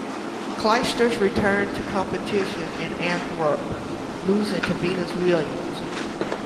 Clijsters returned to competition in Antwerp, losing to Venus Williams.